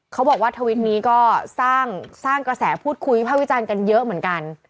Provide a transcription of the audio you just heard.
เขาบอกว่าทวิตนี้ก็สร้างกระแสพูดคุยวิภาควิจารณ์กันเยอะเหมือนกัน